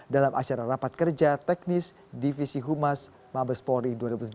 dalam acara rapat kerja teknis divisi humas mabes polri dua ribu tujuh belas